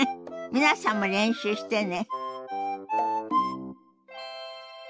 皆さんも練習してね。